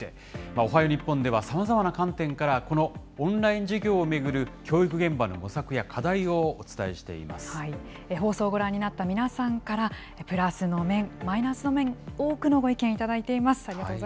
おはよう日本では、さまざまな観点からこのオンライン授業を巡る教育現場の模索や課放送をご覧になった皆さんから、プラスの面、マイナスの面、多くのご意見いただいています。